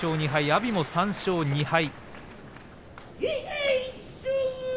阿炎も３勝２敗。